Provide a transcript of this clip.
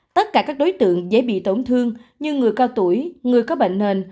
tất cả các đối tượng dễ bị tổn thương như người cao tuổi người có bệnh nền